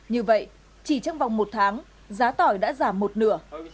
như vậy chỉ trong vòng một tháng giá tỏi đã giảm một nửa